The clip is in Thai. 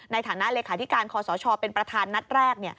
ในฐานะเลขาธิการคอสชเป็นประธานนัดแรก